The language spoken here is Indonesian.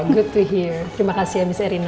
good to hear terima kasih ya miss erina